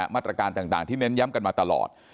มาตรการต่างที่เน้นย้ำกันมาตลอด